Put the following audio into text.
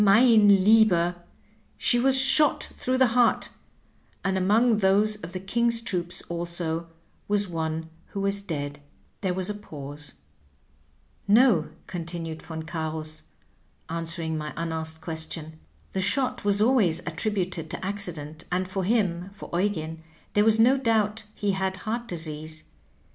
Mein lAeber^ she was shot through the heart, and among those of the King's troops also was one who was dead." There was a pause. Digitized by VjOOQIC 130 THE ACTION TO THE WORD. " No," continued Von Oarus, answering my unasked question, ^'the shot was always attributed to accident, and for him (for Eugen) there was no doubt he had heart disease.